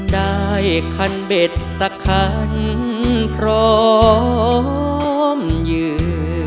ได้คันเบ็ดสักคันพร้อมยืน